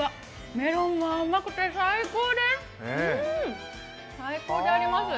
メロンも甘くて最高です！